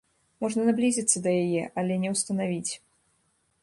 Можна наблізіцца да яе, але не ўстанавіць.